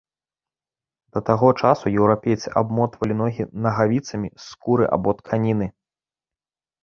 Да таго часу еўрапейцы абмотвалі ногі нагавіцамі з скуры або тканіны.